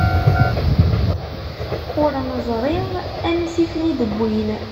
Ur neẓri ansi i ten-id-wwin.